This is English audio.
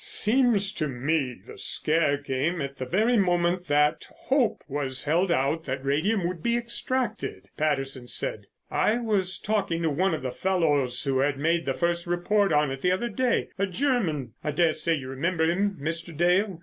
"Seems to me the scare came at the very moment that hope was held out that radium would be extracted," Patterson said. "I was talking to one of the fellows who had made the first report on it the other day, a German, I daresay you remember him, Mr. Dale.